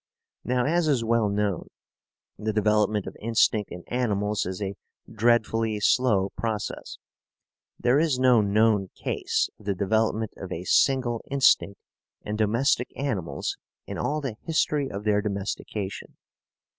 Now, as is well known, the development of instinct in animals is a dreadfully slow process. There is no known case of the development of a single instinct in domestic animals in all the history of their domestication.